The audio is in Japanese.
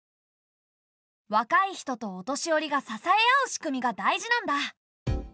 若い人とお年寄りが支え合う仕組みが大事なんだ。